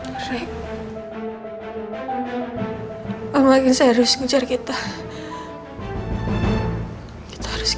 bagi siapapun yang dapat menemukan elsa dan ricky saya akan memberikan imbalan sebesar lima ratus juta rupiah